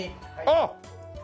あっ！